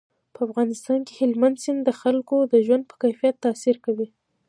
په افغانستان کې هلمند سیند د خلکو د ژوند په کیفیت تاثیر کوي.